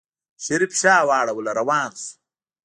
شريف شا واړوله روان شو.